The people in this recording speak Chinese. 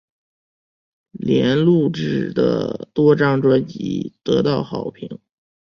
莲录制的多张专辑得到好评。